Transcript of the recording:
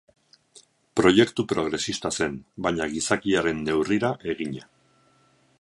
Proiektu progresista zen, baina gizakiaren neurrira egina.